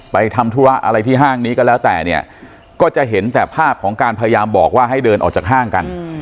ทำธุระอะไรที่ห้างนี้ก็แล้วแต่เนี่ยก็จะเห็นแต่ภาพของการพยายามบอกว่าให้เดินออกจากห้างกัน